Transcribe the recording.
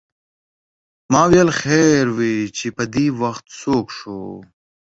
ما ویل خیر وې چې پدې وخت څوک شو.